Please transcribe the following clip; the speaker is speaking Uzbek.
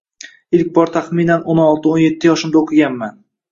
Ilk bor taxminan o‘n olti-o‘n yetti yoshimda o‘qiganman.